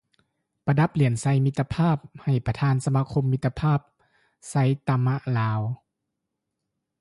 ປະດັບຫລຽນໄຊມິດຕະພາບ ໃຫ້ປະທານສະມາຄົມມິດຕະພາບໄຊຕະມະລາວ